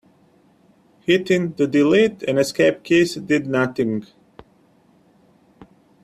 Hitting the delete and escape keys did nothing.